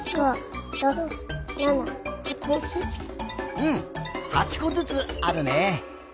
うん８こずつあるね。